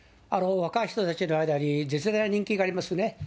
若い人たちの間に絶大な人気がありますね。